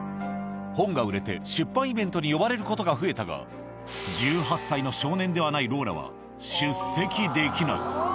本が売れて出版イベントに呼ばれることが増えたが、１８歳の少年ではないローラは出席できない。